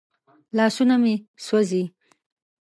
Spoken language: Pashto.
لاسونه مې سوځي.